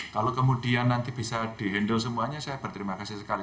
kalau kemudian nanti bisa di handle semuanya saya berterima kasih sekali